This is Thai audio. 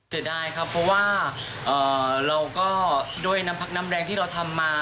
เสียดายครับเพราะว่าเราก็ด้วยน้ำพักน้ำแรงที่เราทำมา